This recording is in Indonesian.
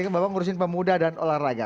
bapak ngurusin pemuda dan olahraga